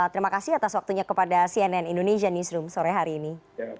terima kasih atas waktunya kepada cnn indonesia newsroom sore hari ini